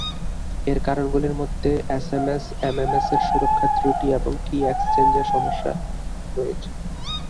এর কারণগুলির মধ্যে এসএমএস/এমএমএসের সুরক্ষা ত্রুটি এবং কী এক্সচেঞ্জের সমস্যা রয়েছে।